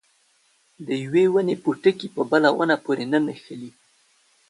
د یوې ونې پوټکي په بله ونه پورې نه نښلي.